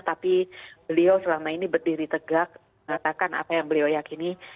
tapi beliau selama ini berdiri tegak mengatakan apa yang beliau yakini